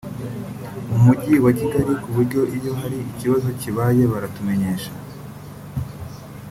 umujyi wa Kigali ku buryo iyo hari ikibazo kibaye baratumenyesha